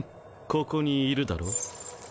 ここにいるだろ？